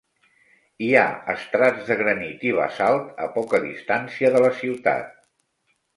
Hi ha estrats de granit i basalt a poca distància de la ciutat.